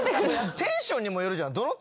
テンションにもよるじゃん。